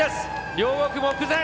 両国、目前。